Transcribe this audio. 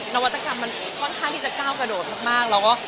นวัตกรรมมันค่อนข้างที่จะก้าวกระโดดมากแล้วก็